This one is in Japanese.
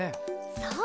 そう。